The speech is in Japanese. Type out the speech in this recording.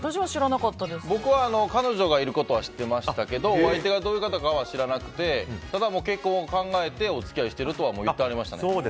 僕は彼女がいることは知ってましたけどお相手がどういう方かは知らなくてただ、結婚を考えて付き合っているとは言ってはりましたね。